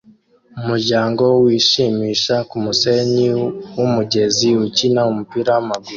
Umuryango wishimisha kumusenyi wumugezi ukina umupira wamaguru